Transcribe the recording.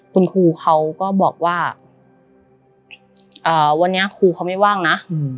คุณครูเขาก็บอกว่าวันนี้ครูเขาไม่ว่างนะ